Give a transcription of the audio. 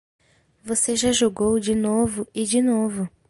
Você já jogou de novo e de novo.